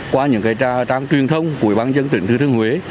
qua những cái trang truyền thông của băng dân tỉnh thư thương huế